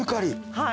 はい。